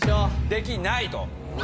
できないと。